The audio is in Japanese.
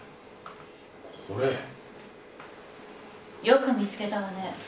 よく見つけたわね。